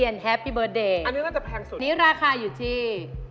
แล้วพี่เบ๊กจะเฉลิด